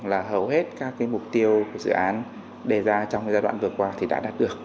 là hầu hết các cái mục tiêu của dự án đề ra trong cái giai đoạn vừa qua thì đã đạt được